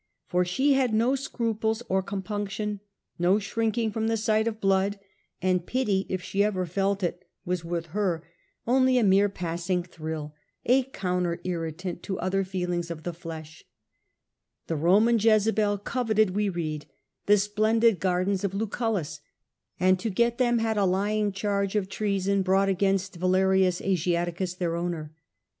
For she had no scruples or compunction, no shrinking from the sight blood ; and pity, if she ever felt it, was with her only A.D. 41 54. 94 The Earlier Empire, and cruelty. by killing Polybius, a mere passing thrill, a counter irritant to other feelings of the flesh. The Roman Jezebel coveted, we read, the splendid gardens of Liicullus, and to get them had a lying charge of treason brought against Valerius Asiaticus, their owner.